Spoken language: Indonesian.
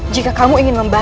jika kamu ingin membantah